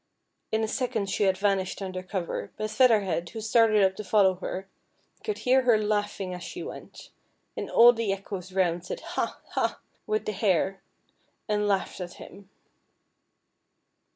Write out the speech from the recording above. In a second she had vanished under cover, but Feather Head, who started up to follow her, could hear her laughing as she went, and all the echoes round said " Ha, ha !" with the Hare, and laughed at him.